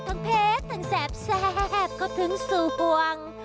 ทั้งเพชรทั้งแสบก็ถึงสู่ห่วง